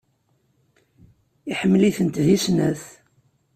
Iḥemmel-itent deg snat.